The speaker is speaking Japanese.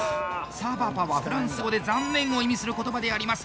サバパは、フランス語で残念を意味する言葉であります。